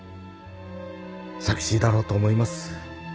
寂しいだろうと思います